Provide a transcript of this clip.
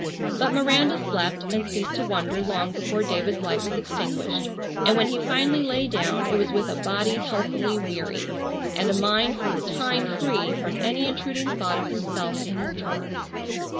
But Miranda slept and ceased to wonder long before David's light was extinguished, and when he finally lay down it was with a body healthily weary, and a mind for the time free from any intruding thought of himself and his troubles.